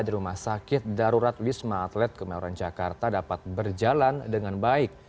di rumah sakit darurat wisma atlet kemayoran jakarta dapat berjalan dengan baik